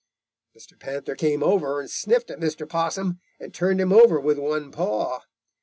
"Mr. Panther came over and sniffed at Mr. Possum and turned him over with one paw.